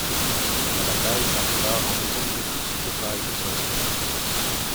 La bataille s'arrêta en raison d'une éclipse totale de Soleil.